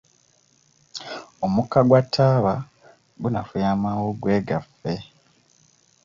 Omukka gwa taaba kunafuya amawuggwe gaffe.